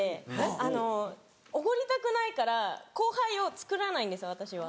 あのおごりたくないから後輩をつくらないんです私は。